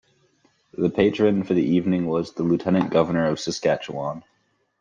The patron for the evening was the Lieutenant Governor of Saskatchewan.